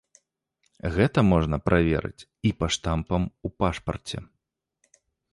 Гэта можна праверыць і па штампам у пашпарце.